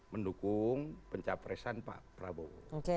mendukung pencapresan pak prabowo